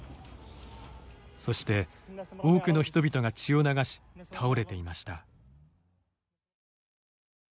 そして、多くの人々が血を流し倒れていました。